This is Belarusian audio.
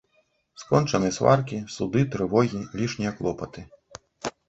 Скончаны сваркі, суды, трывогі, лішнія клопаты.